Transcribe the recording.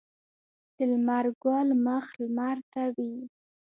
د لمر ګل مخ لمر ته وي